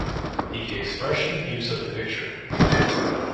The expression Use a picture.